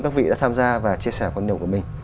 các vị đã tham gia và chia sẻ quan điểm của mình